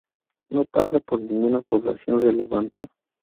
No pasa por ninguna población relevante.